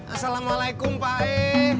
assalamualaikum pak e